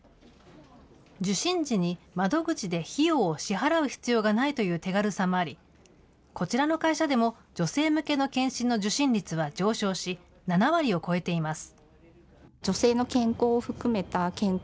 受診時に窓口で費用を支払う必要がないという手軽さもあり、こちらの会社でも、女性向けの検診の受診率は上昇し、７割を超えています。